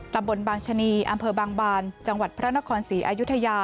ตำบลบางชะนีอำเภอบางบานจังหวัดพระนครศรีอายุทยา